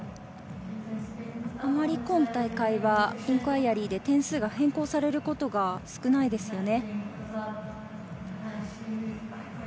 今大会はインクワイアリーで点数が変更されることが少ないですよね。